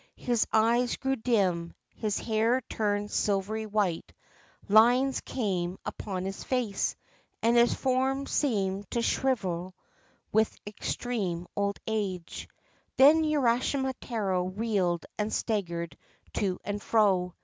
His eyes grew dim, his hair turned silvery white, lines came upon his face, and his form seemed to shrivel with extreme old age. Then Urashima Taro reeled and staggered to and fro.